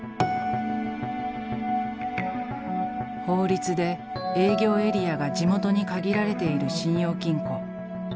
法律で営業エリアが地元に限られている信用金庫。